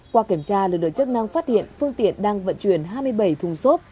qua kiểm tra lực lượng chức năng phát hiện phương tiện đang vận chuyển hai mươi bảy thùng xốp